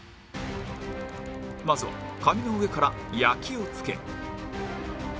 まずは紙の上から焼きを付ける